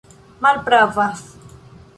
malpravas